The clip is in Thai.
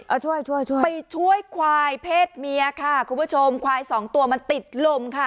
เอาช่วยช่วยช่วยไปช่วยควายเพศเมียค่ะคุณผู้ชมควายสองตัวมันติดลมค่ะ